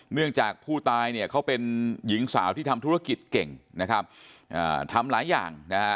เนื่องจากผู้ตายเขาเป็นหญิงสาวที่ทำธุรกิจเก่งทำหลายอย่าง